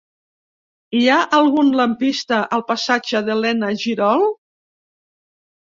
Hi ha algun lampista al passatge d'Elena Girol?